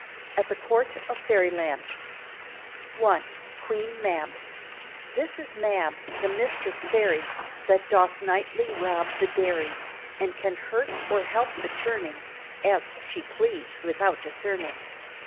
AT THE COURT OF FAIRYLAND I QUEEN MAB This is MAB, the mistress Fairy, That doth nightly rob the dairy, And can hurt or help the churning (As she please) without discerning.